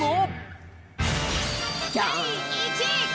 第１位。